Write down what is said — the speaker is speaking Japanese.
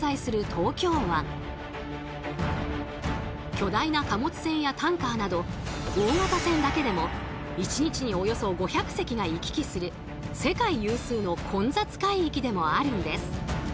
巨大な貨物船やタンカーなど大型船だけでも１日におよそ５００隻が行き来する世界有数の混雑海域でもあるんです。